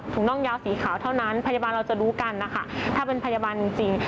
น่องยาวสีขาวเท่านั้นพยาบาลเราจะรู้กันนะคะถ้าเป็นพยาบาลจริง